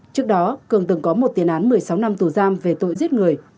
trước đó cường từng có một tiền án một mươi sáu năm tù giam về tội giết người